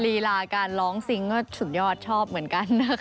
รีลาการร้องซิงก็สุดยอดชอบเหมือนกันนะคะ